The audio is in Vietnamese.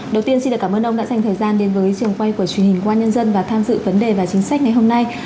đầu tiên xin cảm ơn ông đã dành thời gian đến với trường quay của truyền hình công an nhân dân và tham dự vấn đề và chính sách ngày hôm nay